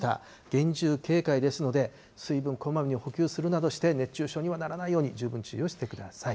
厳重警戒ですので、水分こまめに補給するなどして、熱中症にはならないように十分注意をしてください。